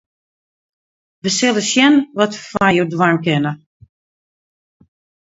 Wy sille sjen wat we foar jo dwaan kinne.